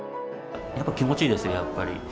やっぱ気持ちいいですよ、やっぱり。